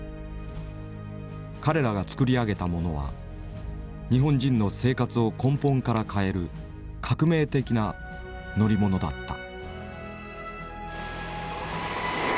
彼らが造り上げたものは日本人の生活を根本から変える革命的な乗り物だった。